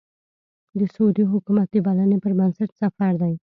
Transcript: د سعودي حکومت د بلنې پر بنسټ سفر دی.